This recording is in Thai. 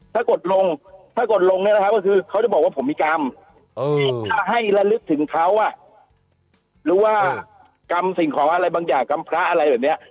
ถ้ากดลงถ้ากดลงเนี่ยนะครับก็คือเขาจะบอกว่าผมมีกรรมถ้าให้ระลึกถึงเขาหรือว่ากรรมสิ่งของอะไรบางอย่างกำพระอะไรแบบนี้